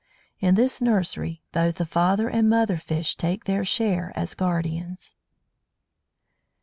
In this nursery both the father and mother fish take their share as guardians.